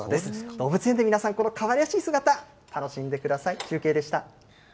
動物園で皆さん、このかわいらしい姿、楽しんでください。